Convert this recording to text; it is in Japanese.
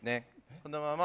このまま。